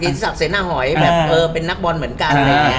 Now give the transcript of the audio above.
เกตติศักดิ์เสนาหอยเป็นนักบอลเหมือนกัน